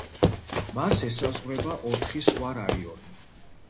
მას ესაზღვრება ოთხი სხვა რაიონი.